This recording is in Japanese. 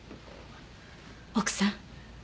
奥さん。